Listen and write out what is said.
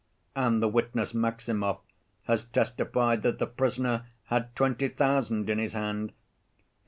And the witness Maximov has testified that the prisoner had twenty thousand in his hand.